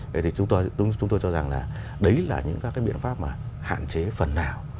vậy thì chúng tôi cho rằng là đấy là những các cái biện pháp mà hạn chế phần nào